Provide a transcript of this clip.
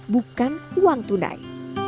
bukan uang tunai